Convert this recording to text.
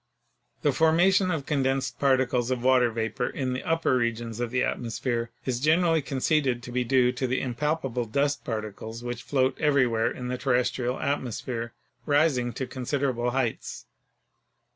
The formation of condensed particles of water vapor in the upper regions of the atmosphere is generally conceded to be due to the impalpable dust particles which float every where in the terrestrial atmosphere rising to considerable heights.